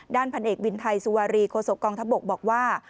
ด้านผลเอกวินไทยสุวรรณรองนายกรัฐมนตรีโคโศกองทะบกบอกว่า